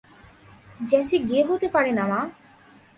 Jassy গে হতে পারে না, মা।